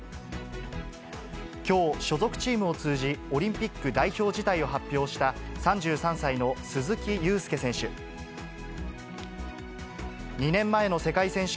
きょう、所属チームを通じ、オリンピック代表辞退を発表した、３３歳の鈴木雄介選手。